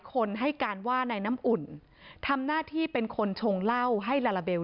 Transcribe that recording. คนให้การว่านายน้ำอุ่นทำหน้าที่เป็นคนชงเหล้าให้ลาลาเบล